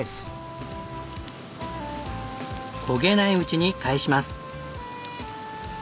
焦げないうちに返します。